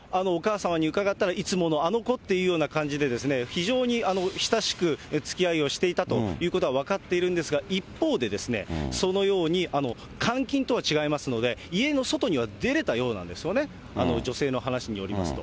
お母様に伺ったら、いつものあの子っていう感じで、非常に親しくつきあいをしていたということは分かっているんですが、一方で、そのように監禁とは違いますので、家の外には出れたようなんですよね、女性の話によりますと。